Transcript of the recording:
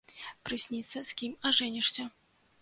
Прысніцца, з кім ажэнішся.